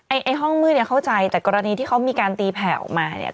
ไอ้ห้องมืดเนี่ยเข้าใจแต่กรณีที่เขามีการตีแผ่ออกมาเนี่ย